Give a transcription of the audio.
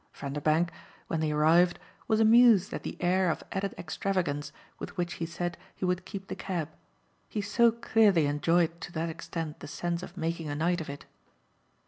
Vanderbank, when they arrived, was amused at the air of added extravagance with which he said he would keep the cab: he so clearly enjoyed to that extent the sense of making a night of it.